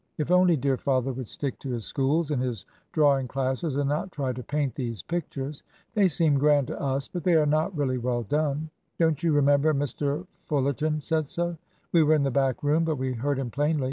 "If only dear father would stick to his schools, and his drawing classes, and not try to paint these pictures! They seem grand to us, but they are not really well done. Don't you remember Mr. Fullarton said so? We were in the back room, but we heard him plainly.